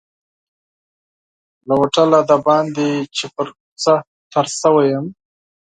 له هوټله بهر چې پر کوڅه تېر شوی یم.